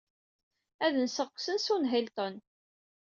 Ad nseɣ deg usensu n Hilton.